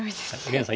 上野さん